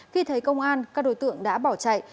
khi thấy công an các đối tượng đã bỏ chạy